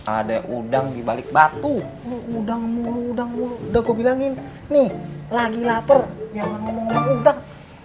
ada udang dibalik batu udang udang udah gue bilangin nih lagi lapar yang udah